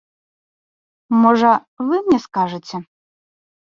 Можа, вы мне скажаце?